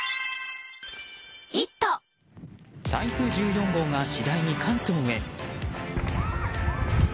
台風１４号が次第に関東へ。